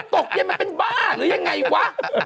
ตกเย็นมันเป็นบ้าหรือยังไงวะ